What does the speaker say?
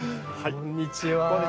こんにちは。